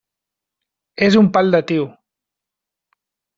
És un pal de tio.